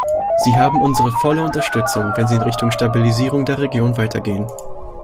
Sie haben unsere volle Unterstützung, wenn sie in Richtung Stabilisierung der Regionen weitergehen.